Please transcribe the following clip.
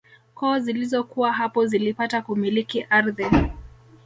Koo zilizokuwa hapo zilipata kumiliki ardhi